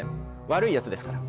悪いヤツですから。